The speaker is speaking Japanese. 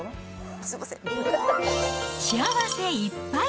幸せいっぱい！